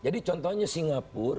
jadi contohnya singapura